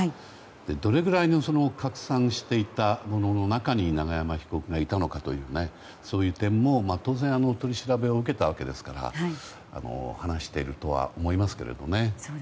どれくらい拡散していたものの中に永山被告がいたのかというそういう点も当然取り調べを受けたわけですから話しているとは思いますけどね。